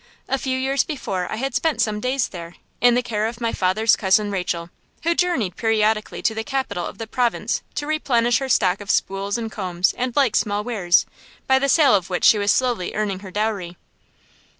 A few years before I had spent some days there, in the care of my father's cousin Rachel, who journeyed periodically to the capital of the province to replenish her stock of spools and combs and like small wares, by the sale of which she was slowly earning her dowry.